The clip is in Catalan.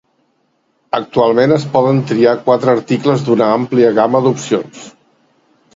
Actualment, es poden triar quatre articles d'una àmplia gamma d'opcions.